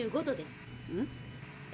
３５度です。